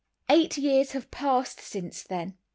Eight years have passed since then.